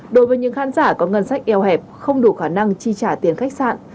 đối với những khán giả có ngân sách eo hẹp không đủ khả năng chi trả tiền khách sạn